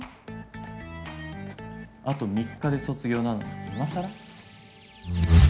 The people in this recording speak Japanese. あと３日で卒業なのに今更？